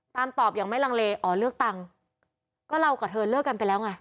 ตอบอย่างไม่ลังเลอ๋อเลือกตั้งก็เรากับเธอเลิกกันไปแล้วไง